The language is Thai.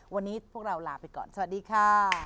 วันนี้พวกเราลาไปก่อนสวัสดีค่ะ